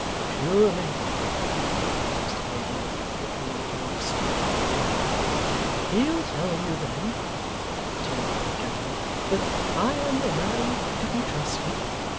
'Surely,' said Mr Haredale, looking in a kind of stupor at John. 'He'll tell you then,' returned the old gentleman, 'that I am a man to be trusted.